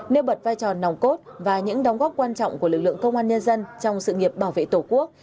nêu bật vai trò nòng cốt và những đóng góp quan trọng của lực lượng công an nhân dân trong sự nghiệp bảo vệ tổ quốc